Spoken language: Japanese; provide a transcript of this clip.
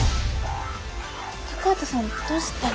高畑さんどうしたの？